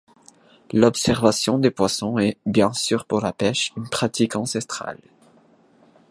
L'observation des poissons est, bien sûr pour la pêche, une pratique ancestrale.